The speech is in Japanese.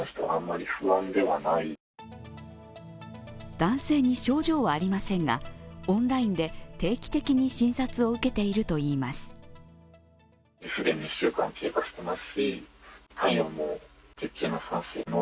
男性に症状はありませんが、オンラインで定期的に診察を受けているといいます。